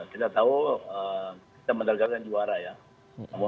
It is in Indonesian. kita tahu kita mendapatkan juara ya